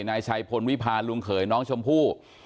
นายชัยพลวิพาลุงเขยน้องชมพู่